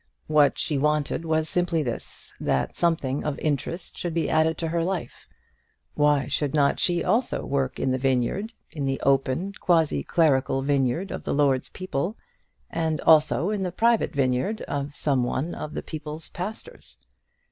What she wanted was simply this, that something of interest should be added to her life. Why should not she also work in the vineyard, in the open quasiclerical vineyard of the Lord's people, and also in the private vineyard of some one of the people's pastors?